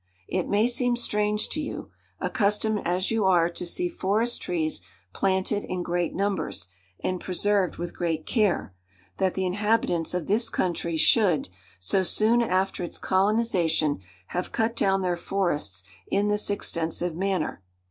It may seem strange to you, accustomed as you are to see forest trees planted in great numbers, and preserved with great care, that the inhabitants of this country should, so soon after its colonization, have cut down their forests in this extensive manner.